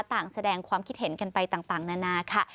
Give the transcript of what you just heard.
ต่างแสดงความคิดเห็นกันไปต่างนานาค่ะ